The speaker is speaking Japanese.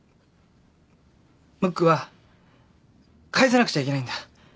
ムックは返さなくちゃいけないんだ。